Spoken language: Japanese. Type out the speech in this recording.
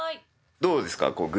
どうですか？